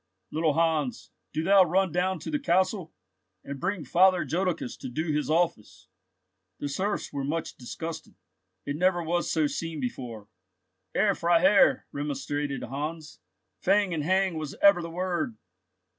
Little Hans, do thou run down to the castle, and bring Father Jodocus to do his office!" The serfs were much disgusted. "It never was so seen before, Herr Freiherr," remonstrated Heinz; "fang and hang was ever the word."